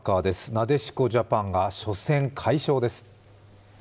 なでしこジャパンが初戦快勝です。